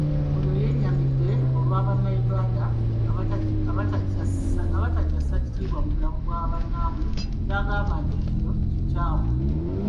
Ono yennyamidde olwa bannayuganda abatakyassa kitiibwa mu bulamu bwa bannaabwe ky'agamba nti kino kikyamu.